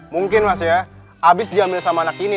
mungkin mas ya habis diambil sama anak ini